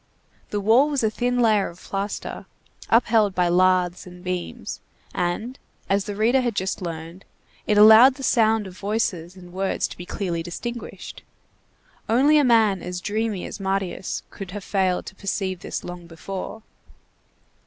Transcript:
The wall was a thin layer of plaster upheld by lathes and beams, and, as the reader had just learned, it allowed the sound of voices and words to be clearly distinguished. Only a man as dreamy as Marius could have failed to perceive this long before.